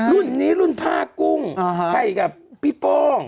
รุ่นนี้รุ่นผ้ากุ้งให้กับพี่โป้ง